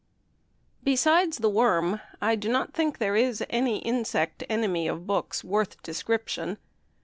BESIDES the worm I do not think there is any insect enemy of books worth description.